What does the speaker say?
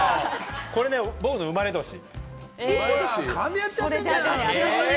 これね、僕の生まれ年。